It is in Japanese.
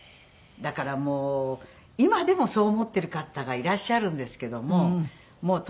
だからもう今でもそう思ってる方がいらっしゃるんですけどももうとにかく暗いと。